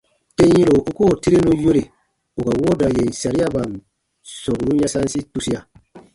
Tem yɛ̃ro u koo tirenu yore ù ka wooda yèn sariaban sɔmburun yasansi tusia.